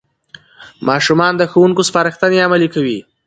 ماشومان د ښوونکو سپارښتنې عملي کوي